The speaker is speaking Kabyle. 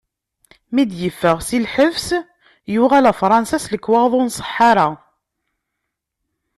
Mi d-yeffeɣ si lḥebs, yuɣal ɣer Fṛansa s lekwaɣeḍ ur nṣeḥḥa ara.